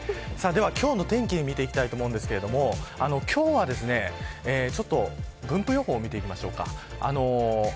今日の天気を見ていきたいと思うんですが分布予報を見ていきましょうか。